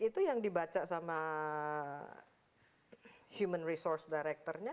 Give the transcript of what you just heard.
itu yang dibaca sama human resource directornya